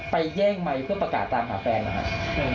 ไปแย่งไหมเผื่อปราการสารหาแฟน